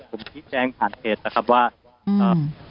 ผมได้แจ้งผ่านเพจแบบว่าอ่า